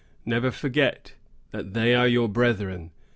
Never forget that they are your brethren.